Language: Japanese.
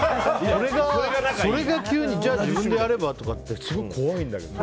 それが急にじゃあ自分でやれば？とかってすごい怖いんだけど。